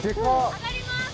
上がります。